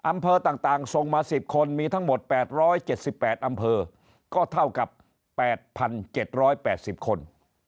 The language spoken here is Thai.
อำเภอต่างส่งมา๑๐คนมีทั้งหมด๘๗๘อำเภอก็เท่ากับ๘๗๘๐คน